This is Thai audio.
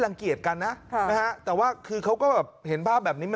รังเกียจกันนะ